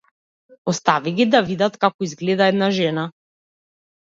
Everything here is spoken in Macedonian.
Остави ги да видат како изгледа една жена.